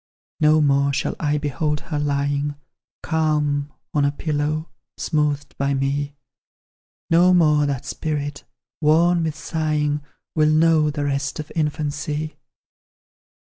No more shall I behold her lying Calm on a pillow, smoothed by me; No more that spirit, worn with sighing, Will know the rest of infancy.